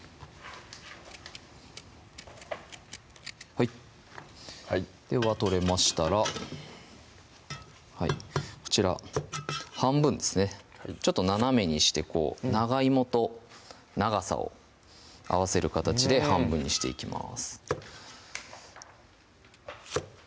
はいでは取れましたらこちら半分ですねちょっと斜めにしてこう長いもと長さを合わせる形で半分にしていきます